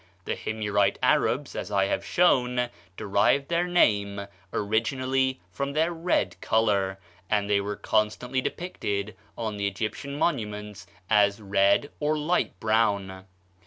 The Himyarite Arabs, as I have shown, derived their name originally from their red color, and they were constantly depicted on the Egyptian monuments as red or light brown.